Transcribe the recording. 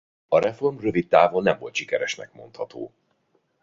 A reform rövid távon nem volt sikeresnek mondható.